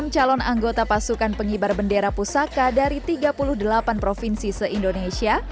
enam calon anggota pasukan pengibar bendera pusaka dari tiga puluh delapan provinsi se indonesia